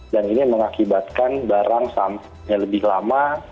dan ini mengakibatkan barang yang lebih lama